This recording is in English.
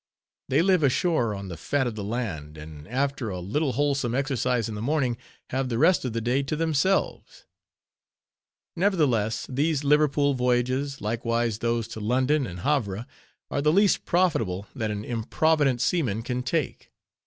They live ashore on the fat of the land; and after a little wholesome exercise in the morning, have the rest of the day to themselves. Nevertheless, these Liverpool voyages, likewise those to London and Havre, are the least profitable that an improvident seaman can take.